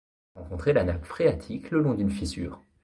Il a rencontré la nappe phréatique le long d'une fissure.